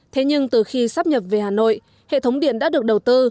thế nhưng từ khi sắp nhập về hà nội hệ thống điện đã được đầu tư